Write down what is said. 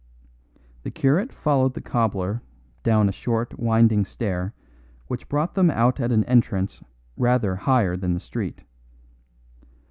The curate followed the cobbler down a short winding stair which brought them out at an entrance rather higher than the street.